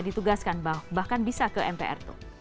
ditugaskan bahkan bisa ke mpr itu